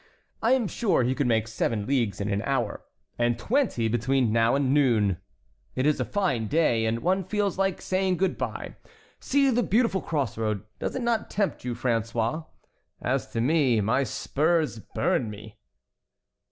"I am sure he could make seven leagues in an hour, and twenty between now and noon. It is a fine day. And one feels like saying good by. See the beautiful cross road. Does it not tempt you, François? As to me, my spurs burn me."